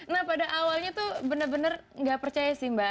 nah pada awalnya itu benar benar tidak percaya sih mbak